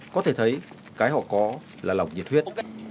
có thể thấy cái họ có là lòng nhiệt huyết